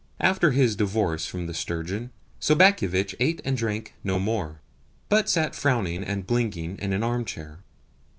After his divorce from the sturgeon, Sobakevitch ate and drank no more, but sat frowning and blinking in an armchair.